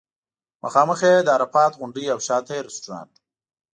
مخامخ یې د عرفات غونډۍ او شاته یې رستورانټ و.